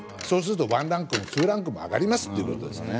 そうするとワンランクもツーランクも上がりますということです。